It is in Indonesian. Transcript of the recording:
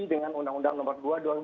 dengan undang undang nomor dua dua ribu dua